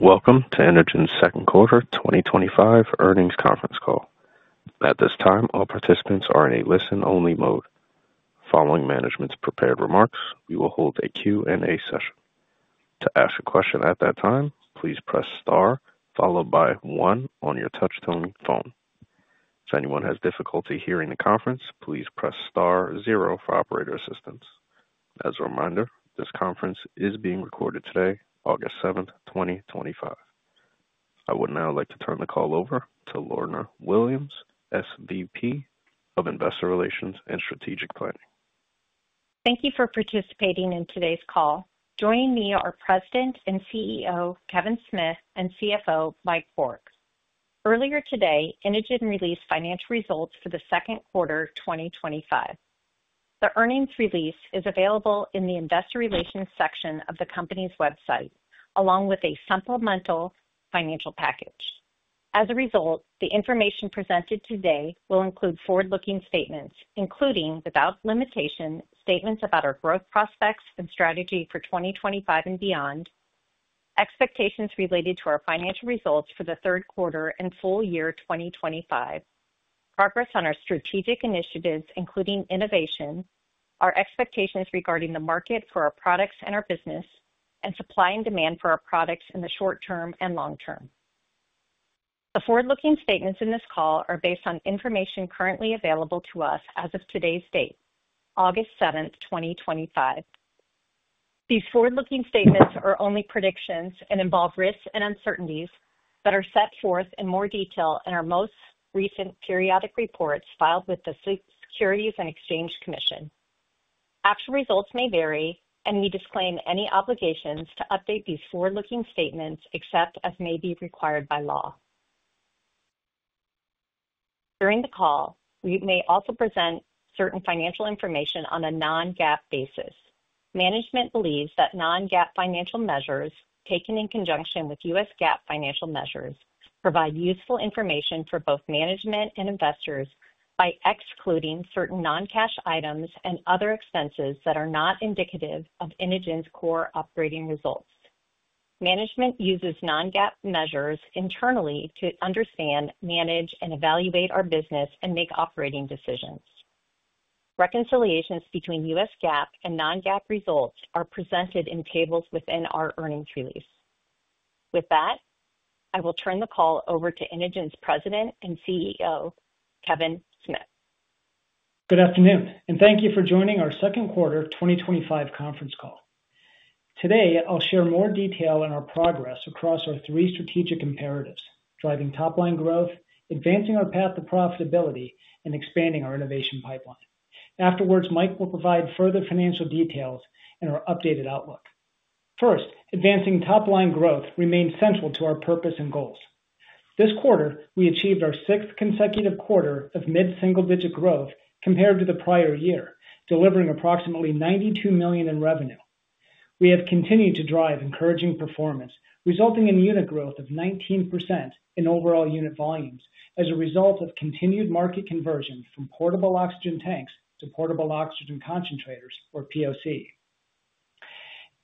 Welcome to Inogen's Second Quarter 2025 Earnings conference call. At this time, all participants are in a listen-only mode. Following management's prepared remarks, we will hold a Q&A session. To ask a question at that time, please press star followed by one on your touch-tone phone. If anyone has difficulty hearing the conference, please press star zero for operator assistance. As a reminder, this conference is being recorded today, August 7th, 2025. I would now like to turn the call over to Lorna Williams, SVP of Investor Relations and Strategic Planning. Thank you for participating in today's call. Joining me are President and CEO Kevin Smith and CFO Mike Bourque. Earlier today, Inogen released financial results for the second quarter 2025. The earnings release is available in the Investor Relations section of the company's website, along with a supplemental financial package. As a result, the information presented today will include forward-looking statements, including, without limitation, statements about our growth prospects and strategy for 2025 and beyond, expectations related to our financial results for the third quarter and full year 2025, progress on our strategic initiatives, including innovation, our expectations regarding the market for our products and our business, and supply and demand for our products in the short term and long term. The forward-looking statements in this call are based on information currently available to us as of today's date, August 7th, 2025. These forward-looking statements are only predictions and involve risks and uncertainties that are set forth in more detail in our most recent periodic reports filed with the Securities and Exchange Commission. Actual results may vary, and we disclaim any obligations to update these forward-looking statements except as may be required by law. During the call, we may also present certain financial information on a non-GAAP basis. Management believes that non-GAAP financial measures taken in conjunction with U.S. GAAP financial measures provide useful information for both management and investors by excluding certain non-cash items and other expenses that are not indicative of Inogen's core operating results. Management uses non-GAAP measures internally to understand, manage, and evaluate our business and make operating decisions. Reconciliations between U.S. GAAP and non-GAAP results are presented in tables within our earnings release. With that, I will turn the call over to Inogen's President and CEO, Kevin Smith. Good afternoon, and thank you for joining our second quarter 2025 conference call. Today, I'll share more detail on our progress across our three strategic imperatives – driving top-line growth, advancing our path to profitability, and expanding our innovation pipeline. Afterwards, Mike will provide further financial details and our updated outlook. First, advancing top-line growth remains central to our purpose and goals. This quarter, we achieved our sixth consecutive quarter of mid-single-digit growth compared to the prior year, delivering approximately $92 million in revenue. We have continued to drive encouraging performance, resulting in unit growth of 19% in overall unit volumes as a result of continued market conversions from portable oxygen tanks to portable oxygen concentrators, or POCs.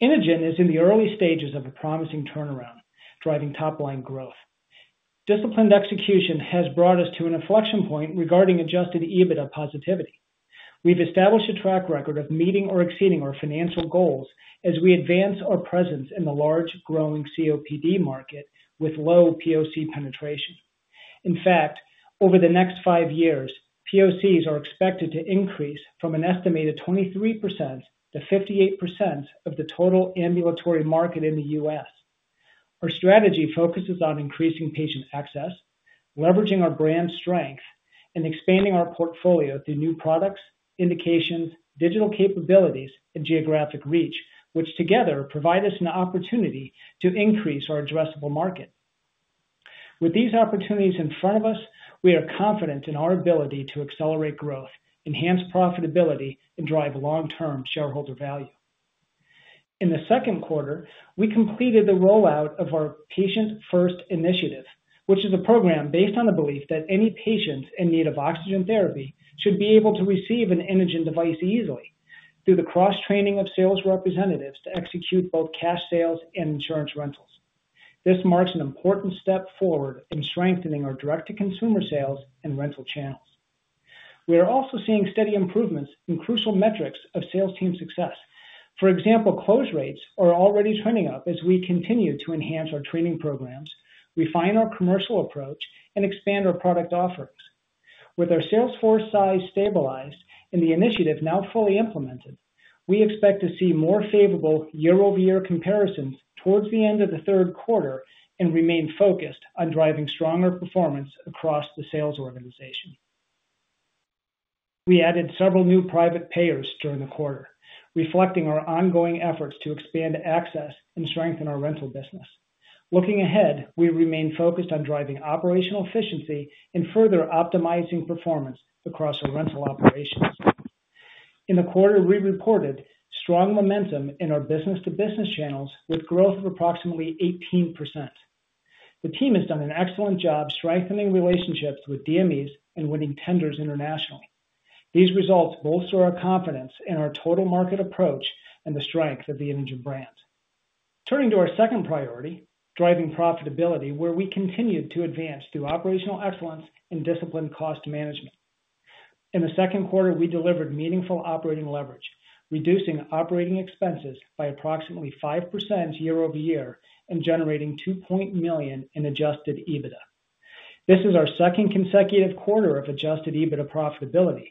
Inogen is in the early stages of a promising turnaround, driving top-line growth. Disciplined execution has brought us to an inflection point regarding adjusted EBITDA positivity. We've established a track record of meeting or exceeding our financial goals as we advance our presence in the large growing COPD market with low POC penetration. In fact, over the next five years, POCs are expected to increase from an estimated 23%-58% of the total ambulatory market in the U.S. Our strategy focuses on increasing patient access, leveraging our brand strength, and expanding our portfolio through new products, indications, digital capabilities, and geographic reach, which together provide us an opportunity to increase our addressable market. With these opportunities in front of us, we are confident in our ability to accelerate growth, enhance profitability, and drive long-term shareholder value. In the second quarter, we completed the rollout of our Patient First Initiative, which is a program based on the belief that any patient in need of oxygen therapy should be able to receive an Inogen device easily through the cross-training of sales representatives to execute both cash sales and insurance rentals. This marks an important step forward in strengthening our direct-to-consumer sales and rental channels. We are also seeing steady improvements in crucial metrics of sales team success. For example, close rates are already trending up as we continue to enhance our training programs, refine our commercial approach, and expand our product offerings. With our sales force size stabilized and the initiative now fully implemented, we expect to see more favorable year-over-year comparisons towards the end of the third quarter and remain focused on driving stronger performance across the sales organization. We added several new private payers during the quarter, reflecting our ongoing efforts to expand access and strengthen our rental business. Looking ahead, we remain focused on driving operational efficiency and further optimizing performance across our rental operations. In the quarter, we reported strong momentum in our business-to-business channels with growth of approximately 18%. The team has done an excellent job strengthening relationships with DMEs and winning tenders internationally. These results bolster our confidence in our total market approach and the strength of the Inogen brand. Turning to our second priority, driving profitability, where we continued to advance through operational excellence and disciplined cost management. In the second quarter, we delivered meaningful operating leverage, reducing operating expenses by approximately 5% year-over-year and generating $2.0 million in adjusted EBITDA. This is our second consecutive quarter of adjusted EBITDA profitability.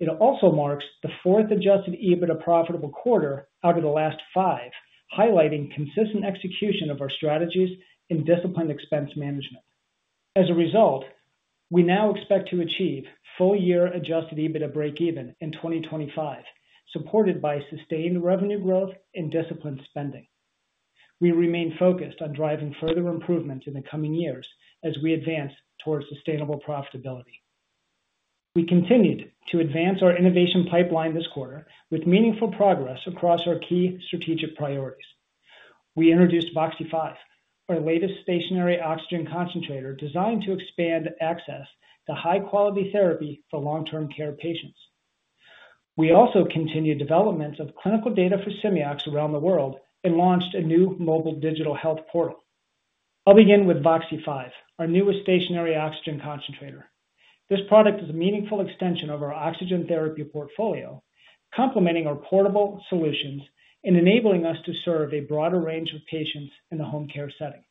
It also marks the fourth adjusted EBITDA profitable quarter out of the last five, highlighting consistent execution of our strategies and disciplined expense management. As a result, we now expect to achieve full-year adjusted EBITDA breakeven in 2025, supported by sustained revenue growth and disciplined spending. We remain focused on driving further improvement in the coming years as we advance towards sustainable profitability. We continued to advance our innovation pipeline this quarter with meaningful progress across our key strategic priorities. We introduced VOXY-5, our latest stationary oxygen concentrator designed to expand access to high-quality therapy for long-term care patients. We also continued developments of clinical data for Simeox around the world and launched a new mobile digital health portal. I'll begin with VOXY-5, our newest stationary oxygen concentrator. This product is a meaningful extension of our oxygen therapy portfolio, complementing our portable solutions and enabling us to serve a broader range of patients in the home care setting.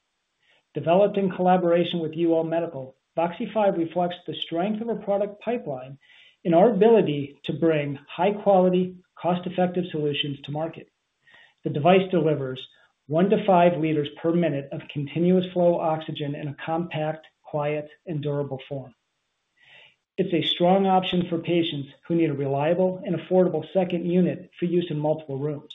Developed in collaboration with UL Medical, VOXY-5 reflects the strength of our product pipeline and our ability to bring high-quality, cost-effective solutions to market. The device delivers one to five liters per minute of continuous flow oxygen in a compact, quiet, and durable form. It's a strong option for patients who need a reliable and affordable second unit for use in multiple rooms.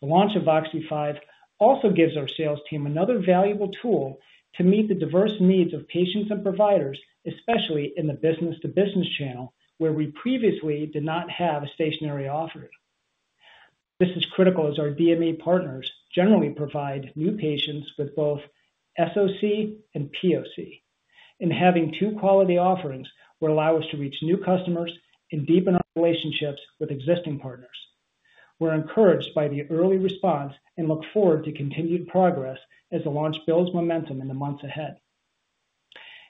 The launch of VOXY-5 also gives our sales team another valuable tool to meet the diverse needs of patients and providers, especially in the business-to-business channel where we previously did not have a stationary offering. This is critical as our DME partners generally provide new patients with both SOC and POC. Having two quality offerings will allow us to reach new customers and deepen our relationships with existing partners. We're encouraged by the early response and look forward to continued progress as the launch builds momentum in the months ahead.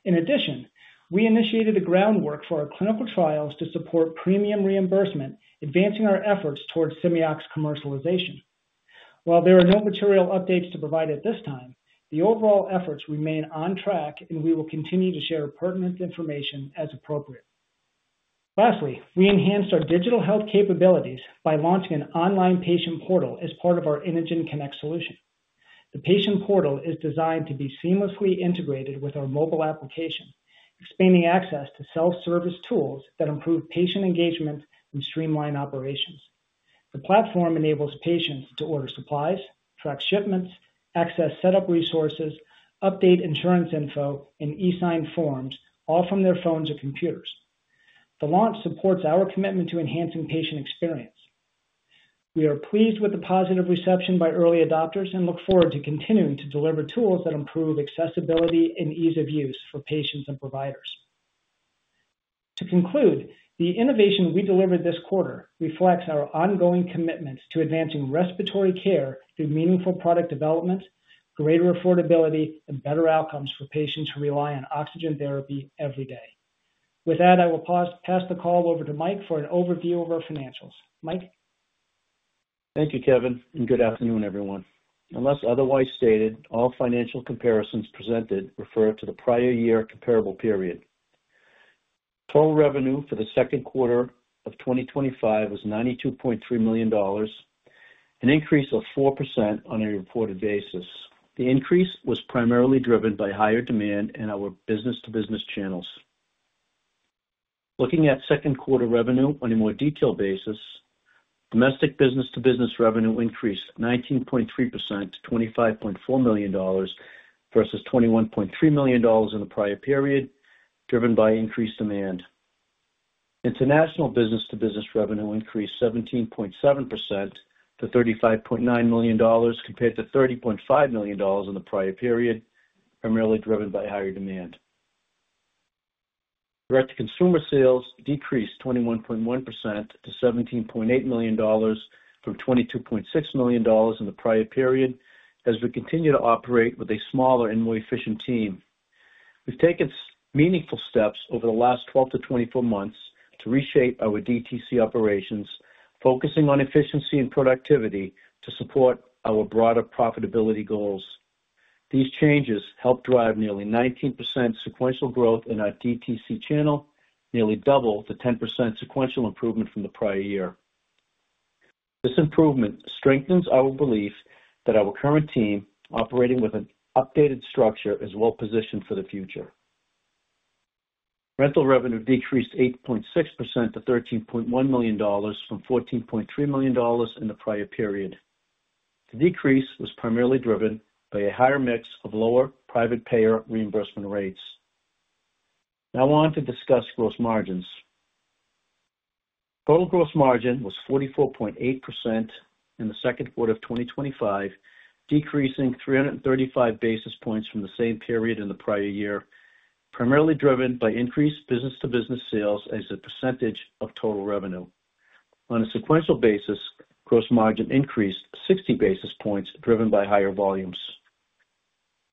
In addition, we initiated groundwork for our clinical trials to support premium reimbursement, advancing our efforts towards SimiOx commercialization. While there are no material updates to provide at this time, the overall efforts remain on track and we will continue to share pertinent information as appropriate. Lastly, we enhanced our digital health capabilities by launching an online patient portal as part of our Inogen Connect solution. The patient portal is designed to be seamlessly integrated with our mobile application, expanding access to self-service tools that improve patient engagement and streamline operations. The platform enables patients to order supplies, track shipments, access setup resources, update insurance info, and e-sign forms, all from their phones or computers. The launch supports our commitment to enhancing patient experience. We are pleased with the positive reception by early adopters and look forward to continuing to deliver tools that improve accessibility and ease of use for patients and providers. To conclude, the innovation we delivered this quarter reflects our ongoing commitments to advancing respiratory care through meaningful product development, greater affordability, and better outcomes for patients who rely on oxygen therapy every day. With that, I will pass the call over to Mike for an overview of our financials. Mike. Thank you, Kevin, and good afternoon, everyone. Unless otherwise stated, all financial comparisons presented refer to the prior year comparable period. Total revenue for the second quarter of 2025 was $92.3 million, an increase of 4% on a reported basis. The increase was primarily driven by higher demand in our business-to-business channels. Looking at second quarter revenue on a more detailed basis, domestic business-to-business revenue increased 19.3% to $25.4 million versus $21.3 million in the prior period, driven by increased demand. International business-to-business revenue increased 17.7% to $35.9 million compared to $30.5 million in the prior period, primarily driven by higher demand. Direct-to-consumer sales decreased 21.1% to $17.8 million from $22.6 million in the prior period, as we continue to operate with a smaller and more efficient team. We've taken meaningful steps over the last 12-24 months to reshape our DTC operations, focusing on efficiency and productivity to support our broader profitability goals. These changes helped drive nearly 19% sequential growth in our DTC channel, nearly double the 10% sequential improvement from the prior year. This improvement strengthens our belief that our current team, operating with an updated structure, is well positioned for the future. Rental revenue decreased 8.6% to $13.1 million from $14.3 million in the prior period. The decrease was primarily driven by a higher mix of lower private payer reimbursement rates. Now I want to discuss gross margins. Total gross margin was 44.8% in the second quarter of 2025, decreasing 335 basis points from the same period in the prior year, primarily driven by increased business-to-business sales as a percentage of total revenue. On a sequential basis, gross margin increased 60 basis points, driven by higher volumes.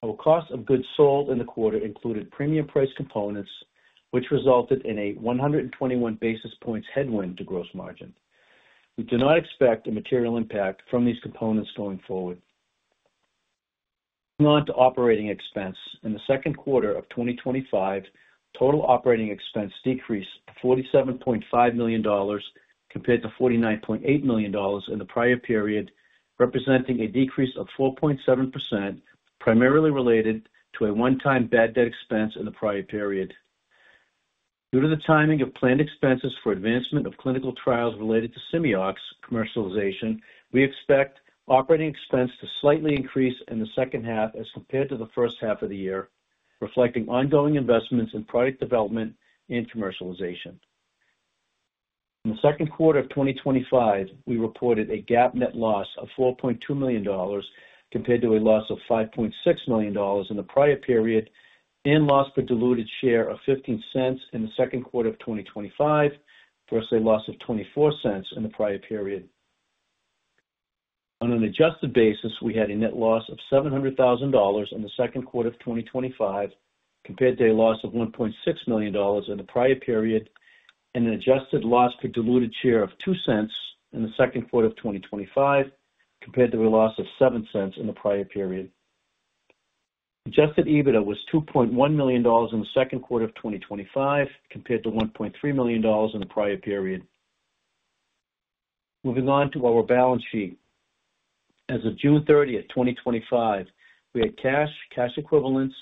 Our cost of goods sold in the quarter included premium price components, which resulted in a 121 basis points headwind to gross margin. We do not expect a material impact from these components going forward. Moving on to operating expense, in the second quarter of 2025, total operating expense decreased to $47.5 million compared to $49.8 million in the prior period, representing a decrease of 4.7%, primarily related to a one-time bad debt expense in the prior period. Due to the timing of planned expenses for advancement of clinical trials related to SimiOx commercialization, we expect operating expense to slightly increase in the second half as compared to the first half of the year, reflecting ongoing investments in product development and commercialization. In the second quarter of 2025, we reported a GAAP net loss of $4.2 million compared to a loss of $5.6 million in the prior period and a loss per diluted share of $0.15 in the second quarter of 2025, versus a loss of $0.24 in the prior period. On an adjusted basis, we had a net loss of $700,000 in the second quarter of 2025 compared to a loss of $1.6 million in the prior period and an adjusted loss per diluted share of $0.02 in the second quarter of 2025 compared to a loss of $0.07 in the prior period. Adjusted EBITDA was $2.1 million in the second quarter of 2025 compared to $1.3 million in the prior period. Moving on to our balance sheet. As of June 30th, 2025, we had cash, cash equivalents,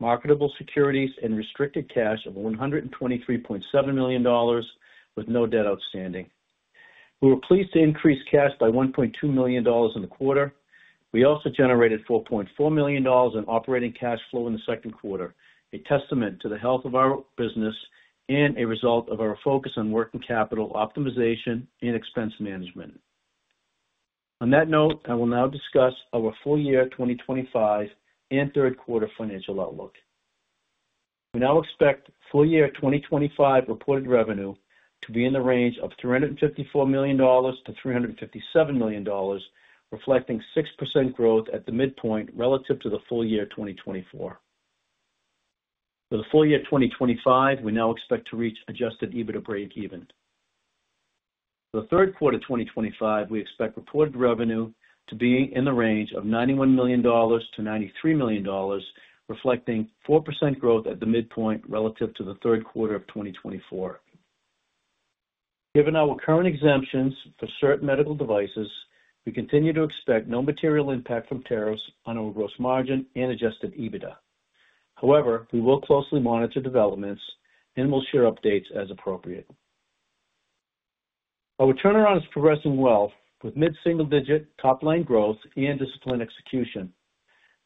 marketable securities, and restricted cash of $123.7 million with no debt outstanding. We were pleased to increase cash by $1.2 million in the quarter. We also generated $4.4 million in operating cash flow in the second quarter, a testament to the health of our business and a result of our focus on working capital optimization and expense management. On that note, I will now discuss our full year 2025 and third quarter financial outlook. We now expect full year 2025 reported revenue to be in the range of $354 million-$357 million, reflecting 6% growth at the midpoint relative to the full year 2024. For the full year 2025, we now expect to reach adjusted EBITDA breakeven. For the third quarter 2025, we expect reported revenue to be in the range of $91 million-$93 million, reflecting 4% growth at the midpoint relative to the third quarter of 2024. Given our current exemptions for certain medical devices, we continue to expect no material impact from tariffs on our gross margin and adjusted EBITDA. However, we will closely monitor developments and will share updates as appropriate. Our turnaround is progressing well with mid-single-digit top-line growth and disciplined execution.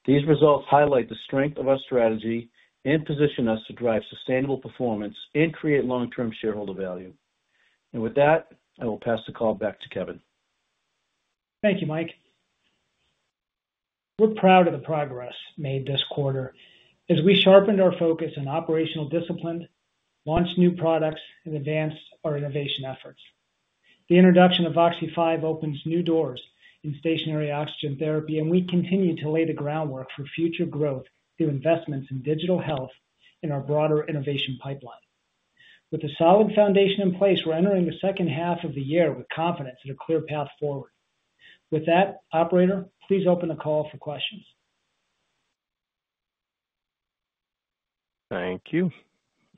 These results highlight the strength of our strategy and position us to drive sustainable performance and create long-term shareholder value. With that, I will pass the call back to Kevin. Thank you, Mike. We're proud of the progress made this quarter as we sharpened our focus on operational discipline, launched new products, and advanced our innovation efforts. The introduction of VOXY-5 opens new doors in stationary oxygen therapy, and we continue to lay the groundwork for future growth through investments in digital health and our broader innovation pipeline. With a solid foundation in place, we're entering the second half of the year with confidence in a clear path forward. With that, operator, please open the call for questions. Thank you.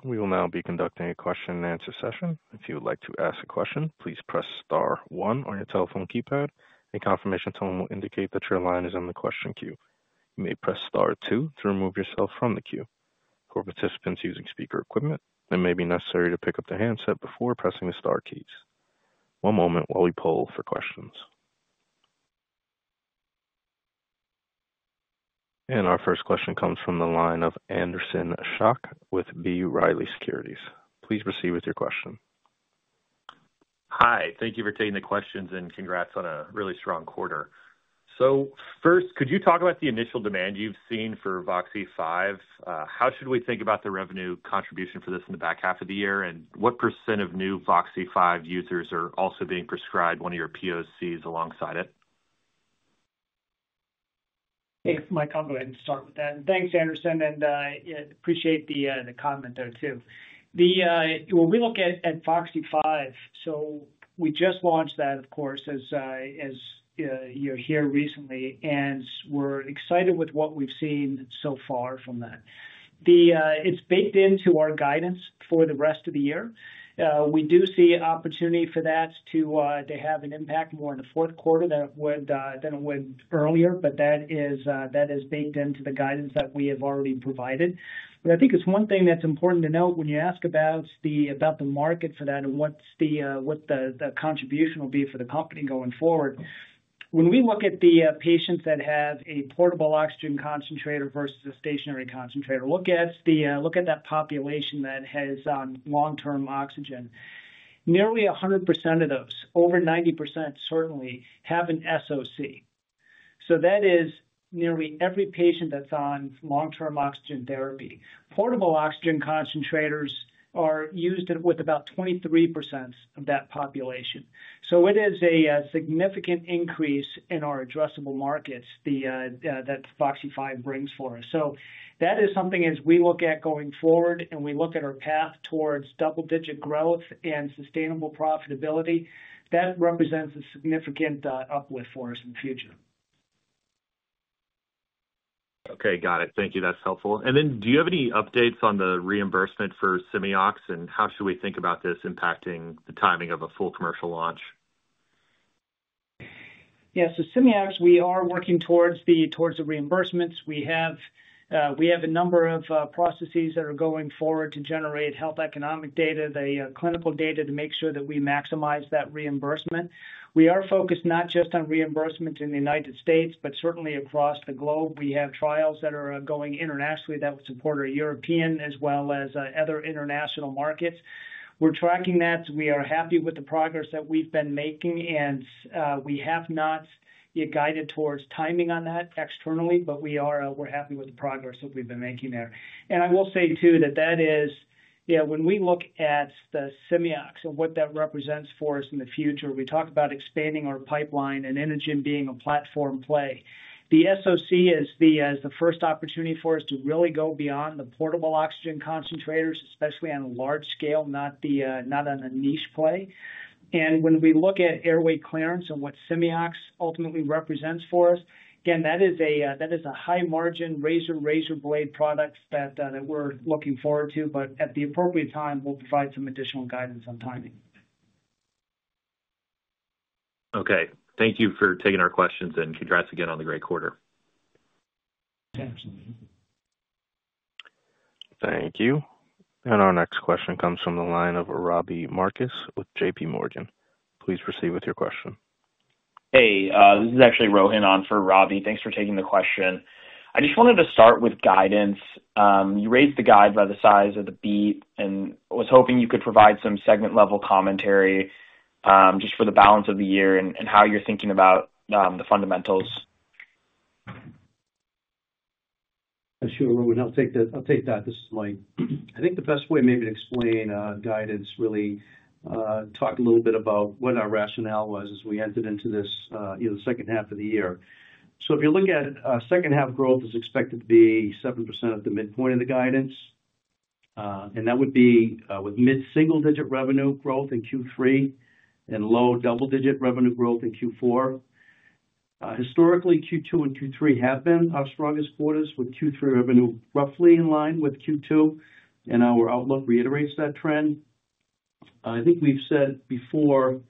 We will now be conducting a question and answer session. If you would like to ask a question, please press star one on your telephone keypad. A confirmation tone will indicate that your line is in the question queue. You may press star two to remove yourself from the queue. For participants using speaker equipment, it may be necessary to pick up the handset before pressing the star keys. One moment while we poll for questions. Our first question comes from the line of Anderson Shock with B. Riley Securities. Please proceed with your question. Hi, thank you for taking the questions and congrats on a really strong quarter. First, could you talk about the initial demand you've seen for VOXY-5? How should we think about the revenue contribution for this in the back half of the year, and what % of new VOXY-5 users are also being prescribed one of your POCs alongside it? If I can go ahead and start with that. Thanks, Anderson, and I appreciate the comment there too. We look at VOXY-5, we just launched that, of course, as you'll hear recently, and we're excited with what we've seen so far from that. It's baked into our guidance for the rest of the year. We do see opportunity for that to have an impact more in the fourth quarter than it would earlier, but that is baked into the guidance that we have already provided. I think it's one thing that's important to note when you ask about the market for that and what the contribution will be for the company going forward. When we look at the patients that have a portable oxygen concentrator versus a stationary concentrator, look at that population that has long-term oxygen. Nearly 100% of those, over 90% certainly, have a stationary oxygen concentrator. That is nearly every patient that's on long-term oxygen therapy. Portable oxygen concentrators are used with about 23% of that population. It is a significant increase in our addressable markets that VOXY-5 brings for us. That is something as we look at going forward and we look at our path towards double-digit growth and sustainable profitability, that represents a significant uplift for us in the future. Okay, got it. Thank you. That's helpful. Do you have any updates on the reimbursement for Simeox, and how should we think about this impacting the timing of a full commercial launch? Yeah, so Simeox, we are working towards the reimbursements. We have a number of processes that are going forward to generate health economic data, the clinical data to make sure that we maximize that reimbursement. We are focused not just on reimbursement in the U.S., but certainly across the globe. We have trials that are going internationally that would support our European as well as other international markets. We're tracking that. We are happy with the progress that we've been making, and we have not yet guided towards timing on that externally, but we are happy with the progress that we've been making there. I will say too that that is, you know, when we look at the Simeox and what that represents for us in the future, we talk about expanding our pipeline and Inogen being a platform play. The SOC is the first opportunity for us to really go beyond the portable oxygen concentrators, especially on a large scale, not on a niche play. When we look at airway clearance and what Simeox ultimately represents for us, again, that is a high margin razor-razor blade product that we're looking forward to, but at the appropriate time, we'll provide some additional guidance on timing. Okay, thank you for taking our questions, and congrats again on the great quarter. Thanks, Andrew. Thank you. Our next question comes from the line of Robbie Marcus with JP Morgan. Please proceed with your question. Hey, this is actually Rohan on for Robbie. Thanks for taking the question. I just wanted to start with guidance. You raised the guide by the size of the beat, and was hoping you could provide some segment-level commentary just for the balance of the year and how you're thinking about the fundamentals. Sure, Rohan, I'll take that. This is Mike. I think the best way maybe to explain guidance is to really talk a little bit about what our rationale was as we entered into this, you know, the second half of the year. If you look at second half growth, it's expected to be 7% at the midpoint of the guidance. That would be with mid-single-digit revenue growth in Q3 and low double-digit revenue growth in Q4. Historically, Q2 and Q3 have been our strongest quarters with Q3 revenue roughly in line with Q2, and our outlook reiterates that trend. I think we've said before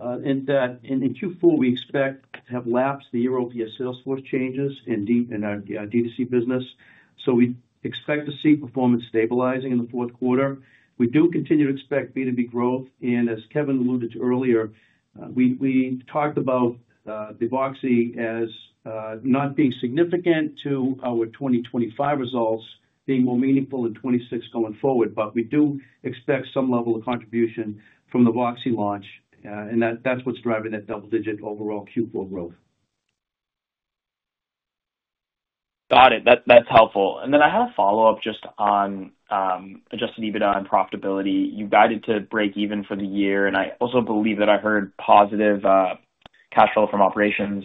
that in Q4, we expect to have lapsed the year-over-year sales force changes in our DTC business. We expect to see performance stabilizing in the fourth quarter. We do continue to expect business-to-business growth, and as Kevin alluded to earlier, we talked about the VOXY-5 as not being significant to our 2025 results, being more meaningful in 2026 going forward, but we do expect some level of contribution from the VOXY-5 launch, and that's what's driving that double-digit overall Q4 growth. Got it. That's helpful. I had a follow-up just on adjusted EBITDA and profitability. You guided to break even for the year, and I also believe that I heard positive cash flow from operations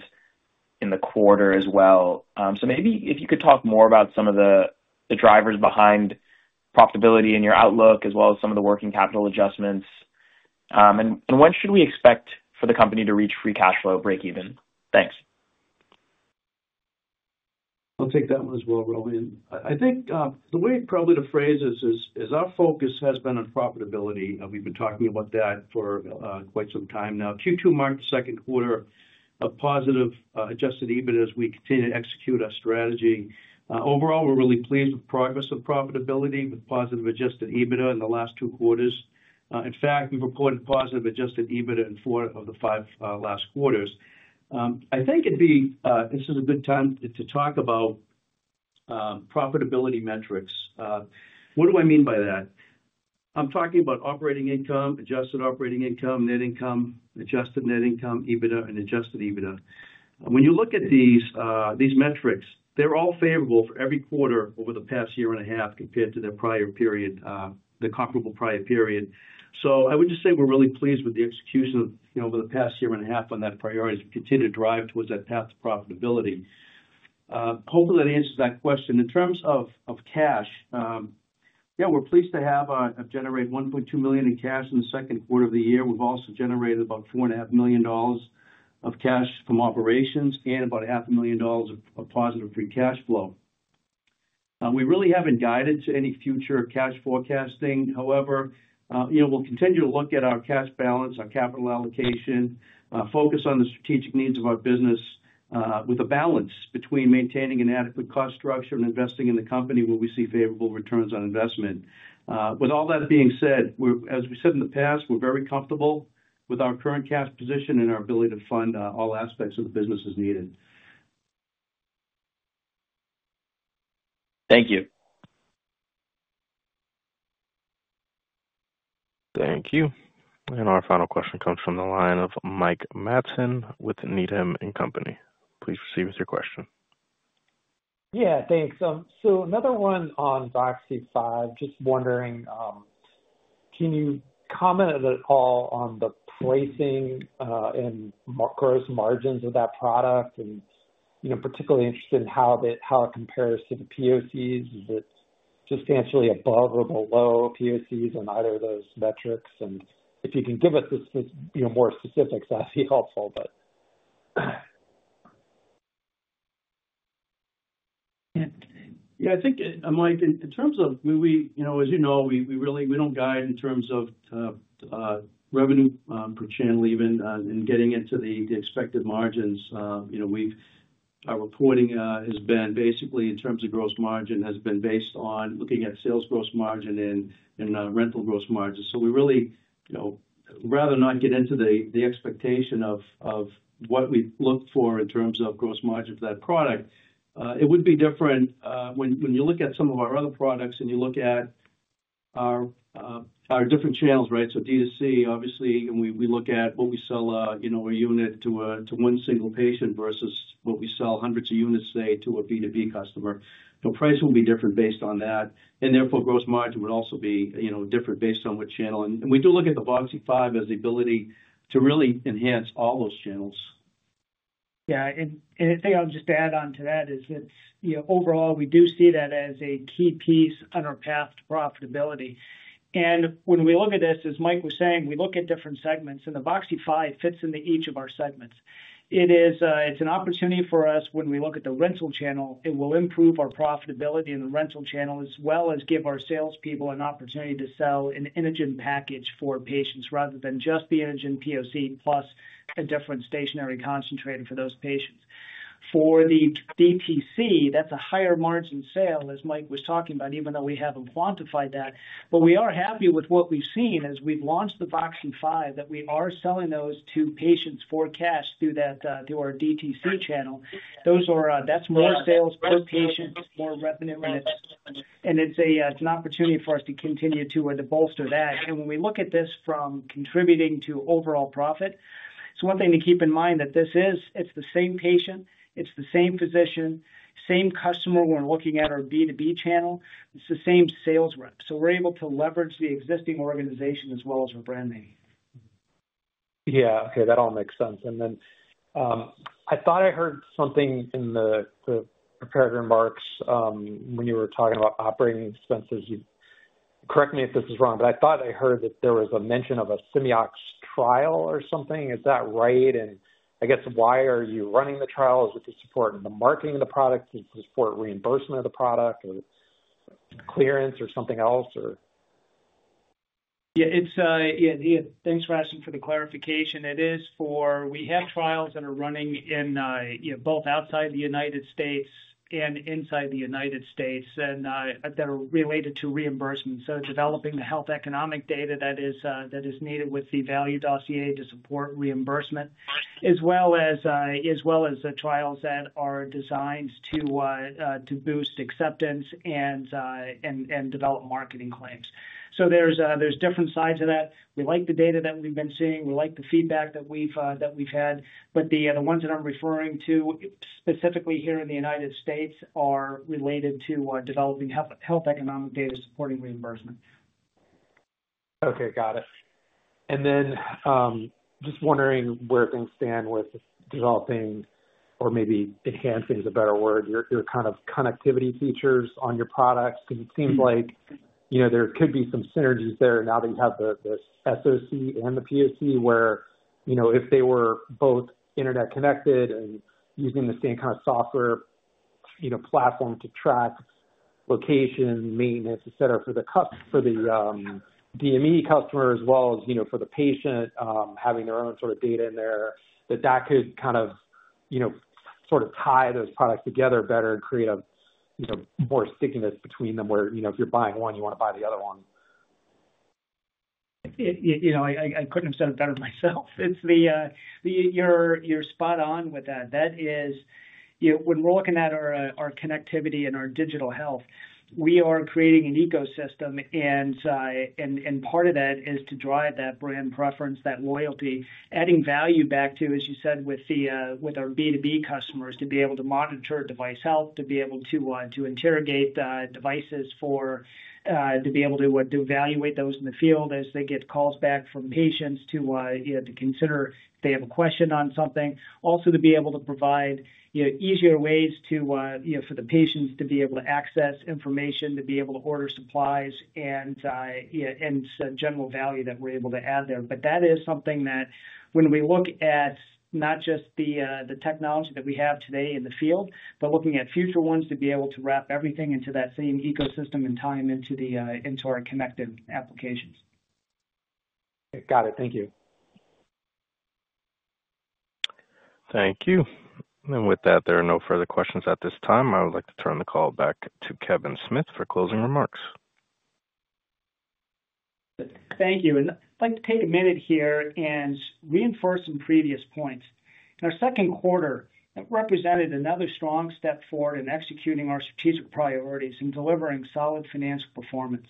in the quarter as well. If you could talk more about some of the drivers behind profitability in your outlook, as well as some of the working capital adjustments. When should we expect for the company to reach free cash flow break even? Thanks! I'll take that one as well, Rohan. I think the way probably to phrase this is our focus has been on profitability. We've been talking about that for quite some time now. Q2 marked the second quarter of positive adjusted EBITDA as we continue to execute our strategy. Overall, we're really pleased with the progress of profitability with positive adjusted EBITDA in the last two quarters. In fact, we've reported positive adjusted EBITDA in four of the five last quarters. I think this is a good time to talk about profitability metrics. What do I mean by that? I'm talking about operating income, adjusted operating income, net income, adjusted net income, EBITDA, and adjusted EBITDA. When you look at these metrics, they're all favorable for every quarter over the past year and a half compared to their prior period, the comparable prior period. I would just say we're really pleased with the execution over the past year and a half on that priority to continue to drive towards that path to profitability. Hopefully, that answers that question. In terms of cash, yeah, we're pleased to have generated $1.2 million in cash in the second quarter of the year. We've also generated about $4.5 million of cash from operations and about $0.5 million of positive free cash flow. We really haven't guided to any future cash forecasting. However, you know, we'll continue to look at our cash balance, our capital allocation, focus on the strategic needs of our business with a balance between maintaining an adequate cost structure and investing in the company where we see favorable returns on investment. With all that being said, as we said in the past, we're very comfortable with our current cash position and our ability to fund all aspects of the business as needed. Thank you. Thank you. Our final question comes from the line of Mike Matson with Needham & Company. Please proceed with your question. Thank you. Another one on VOXY-5. Can you comment at all on the pricing and gross margins of that product? I'm particularly interested in how it compares to the POCs. Is it substantially above or below POCs on either of those metrics? If you can give us more specifics, that'd be helpful. Yeah, I think, Mike, in terms of, we, you know, as you know, we really, we don't guide in terms of revenue per channel, even in getting into the expected margins. Our reporting has been basically, in terms of gross margin, has been based on looking at sales gross margin and rental gross margin. We really, you know, rather than not get into the expectation of what we've looked for in terms of gross margin for that product, it would be different when you look at some of our other products and you look at our different channels, right? DTC, obviously, we look at what we sell, you know, a unit to one single patient versus what we sell hundreds of units, say, to a business-to-business customer. The price will be different based on that. Therefore, gross margin would also be, you know, different based on what channel. We do look at the VOXY-5 as the ability to really enhance all those channels. Yeah, and the thing I'll just add on to that is that, you know, overall, we do see that as a key piece on our path to profitability. When we look at this, as Mike was saying, we look at different segments, and the VOXY-5 fits into each of our segments. It is an opportunity for us when we look at the rental channel. It will improve our profitability in the rental channel as well as give our salespeople an opportunity to sell an Inogen package for patients rather than just the Inogen POC plus a different stationary concentrator for those patients. For the DTC, that's a higher margin sale, as Mike was talking about, even though we haven't quantified that. We are happy with what we've seen as we've launched the VOXY-5, that we are selling those to patients for cash through our DTC channel. That's more sales per patient, more revenue, and it's an opportunity for us to continue to, or to bolster that. When we look at this from contributing to overall profit, it's one thing to keep in mind that this is, it's the same patient, it's the same physician, same customer when we're looking at our business-to-business channel, it's the same sales rep. We're able to leverage the existing organization as well as rebranding. Yeah, okay, that all makes sense. I thought I heard something in the prepared remarks when you were talking about operating expenses. Correct me if this is wrong, but I thought I heard that there was a mention of a Simeox trial or something. Is that right? I guess why are you running the trial? Is it to support the marketing of the product? Is it to support reimbursement of the product or clearance or something else? Yeah, thanks for asking for the clarification. It is for, we have trials that are running both outside the U.S. and inside the U.S. that are related to reimbursement. Developing the health economic data that is needed with the value dossier to support reimbursement, as well as trials that are designed to boost acceptance and develop marketing claims. There are different sides of that. We like the data that we've been seeing. We like the feedback that we've had. The ones that I'm referring to specifically here in the U.S. are related to developing health economic data supporting reimbursement. Okay, got it. Just wondering where things stand with developing, or maybe enhancing is a better word, your kind of connectivity features on your products. It seems like there could be some synergies there now that you have the stationary oxygen concentrator and the portable oxygen concentrator, where if they were both internet connected and using the same kind of software platform to track location, maintenance, etc. for the DME customer as well as for the patient having their own sort of data in there, that could kind of tie those products together better and create more stickiness between them where if you're buying one, you want to buy the other one. You know, I couldn't have said it better myself. You're spot on with that. That is, when we're looking at our connectivity and our digital health, we are creating an ecosystem, and part of that is to drive that brand preference, that loyalty, adding value back to, as you said, with our business-to-business customers to be able to monitor device health, to be able to interrogate devices, to be able to evaluate those in the field as they get calls back from patients to consider if they have a question on something. Also, to be able to provide easier ways for the patients to be able to access information, to be able to order supplies, and general value that we're able to add there. That is something that, when we look at not just the technology that we have today in the field, but looking at future ones, to be able to wrap everything into that same ecosystem and tie them into our connected applications. Got it. Thank you. Thank you. With that, there are no further questions at this time. I would like to turn the call back to Kevin Smith for closing remarks. Thank you. I'd like to take a minute here and reinforce some previous points. In our second quarter, it represented another strong step forward in executing our strategic priorities and delivering solid financial performance.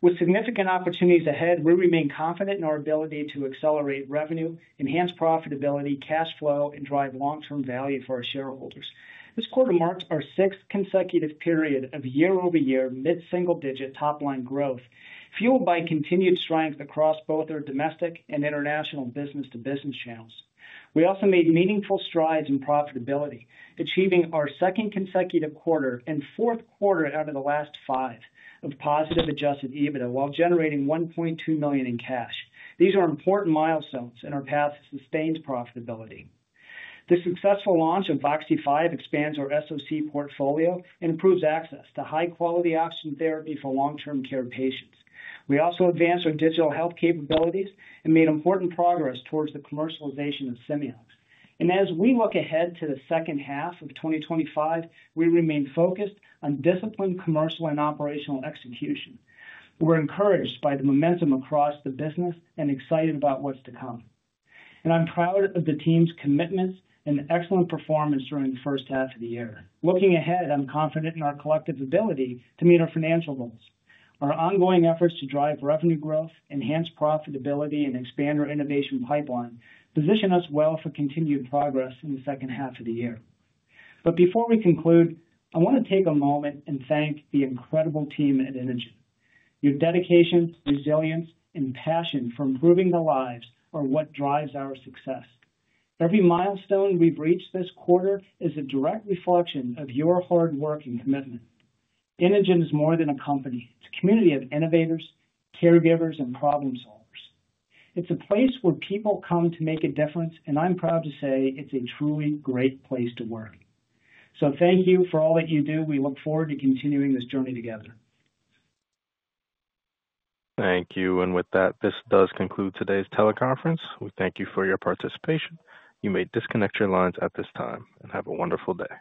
With significant opportunities ahead, we remain confident in our ability to accelerate revenue, enhance profitability, cash flow, and drive long-term value for our shareholders. This quarter marked our sixth consecutive period of year-over-year mid-single-digit top-line growth, fueled by continued strength across both our domestic and international business-to-business channels. We also made meaningful strides in profitability, achieving our second consecutive quarter and fourth quarter out of the last five of positive adjusted EBITDA while generating $1.2 million in cash. These are important milestones in our path to sustained profitability. The successful launch of VOXY-5 expands our stationary oxygen concentrator portfolio and improves access to high-quality oxygen therapy for long-term care patients. We also advanced our digital health capabilities and made important progress towards the commercialization of Simeox. As we look ahead to the second half of 2025, we remain focused on disciplined commercial and operational execution. We're encouraged by the momentum across the business and excited about what's to come. I'm proud of the team's commitments and excellent performance during the first half of the year. Looking ahead, I'm confident in our collective ability to meet our financial goals. Our ongoing efforts to drive revenue growth, enhance profitability, and expand our innovation pipeline position us well for continued progress in the second half of the year. Before we conclude, I want to take a moment and thank the incredible team at Inogen. Your dedication, resilience, and passion for improving lives are what drives our success. Every milestone we've reached this quarter is a direct reflection of your hard work and commitment. Inogen is more than a company. It's a community of innovators, caregivers, and problem solvers. It's a place where people come to make a difference, and I'm proud to say it's a truly great place to work. Thank you for all that you do. We look forward to continuing this journey together. Thank you. With that, this does conclude today's teleconference. We thank you for your participation. You may disconnect your lines at this time and have a wonderful day.